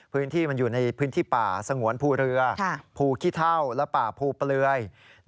พื้นที่มันอยู่ในพื้นที่ป่าสงวนภูเรือภูขี้เท่าและป่าภูเปลือย